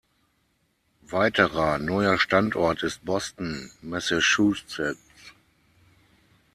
Weiterer neuer Standort ist Boston, Massachusetts.